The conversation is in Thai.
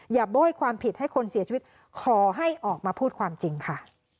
โบ้ยความผิดให้คนเสียชีวิตขอให้ออกมาพูดความจริงค่ะ